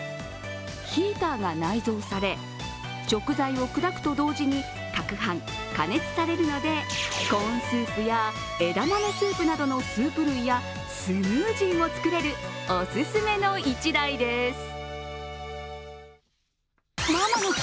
ヒーターが内蔵され、食材を砕くと同時にかくはん加熱されるので、コーンスープや枝豆スープなどのスープ類やスムージーも作れるお勧めの１台です。